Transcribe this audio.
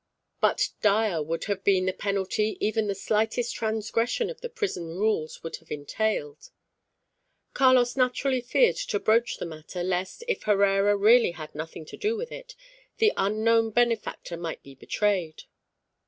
But dire would have been the penalty even the slightest transgression of the prison rules would have entailed. Carlos naturally feared to broach the matter, lest, if Herrera really had nothing to do with it, the unknown benefactor might be betrayed.